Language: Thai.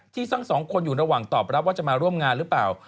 ทั้งสองคนอยู่ระหว่างตอบรับว่าจะมาร่วมงานหรือเปล่า